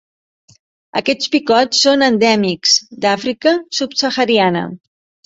Aquests picots són endèmics d'Àfrica subsahariana.